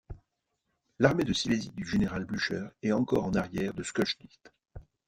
L'armée de Silésie du général Blücher est encore en arrière de Schkeuditz.